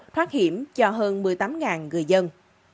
thoát hiểm cho hơn một mươi tám người dân